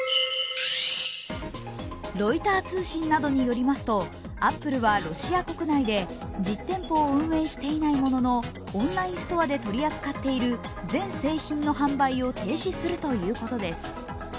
ロイター通信などによりますと、アップルはロシア国内で実店舗を運営していないもののオンラインストアで取り扱っている全製品の販売を停止するということです。